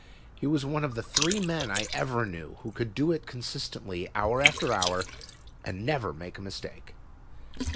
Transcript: He was one of the three men I ever knew who could do it consistently, hour after hour, and never make a mistake.